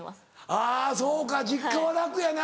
あそうか実家は楽やな。